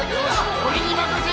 俺に任せろ！